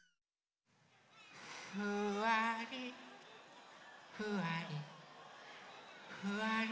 「ふわりふわりふわり」